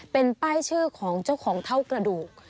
เป็นป้ายชื่อของเจ้าของเท่ากระดูก